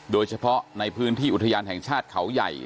โดยเฉพาะในพื้นที่อุทยานแห่งชาติเขาใหญ่